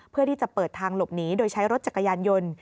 เพื่อที่จะเปิดทางหลบหนีโดยใช้รถจักรยานยนต์